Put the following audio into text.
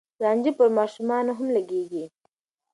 رانجه پر ماشومانو هم لګېږي.